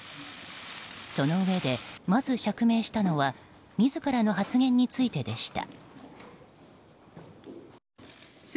そのうえで、まず釈明したのは自らの発言についてでした。